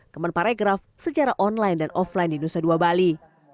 kemenparegraf secara online dan offline di nusa dua bali